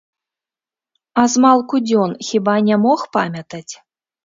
А змалку дзён хіба не мог памятаць?